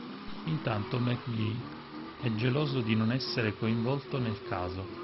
Intanto McGee è geloso di non essere coinvolto nel caso.